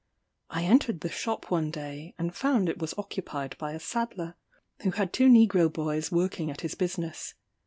I entered the shop one day, and found it was occupied by a saddler, who had two negro boys working at his business.